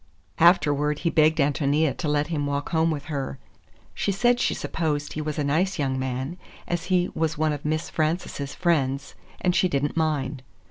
Afterward, he begged Ántonia to let him walk home with her. She said she supposed he was a nice young man, as he was one of Miss Frances's friends, and she did n't mind.